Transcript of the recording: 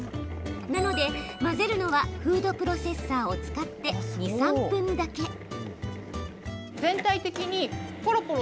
なので、混ぜるのはフードプロセッサーを使って２、３分だけ。え！